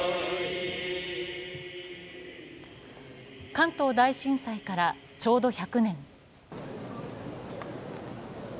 関東大震災からちょうど１００年。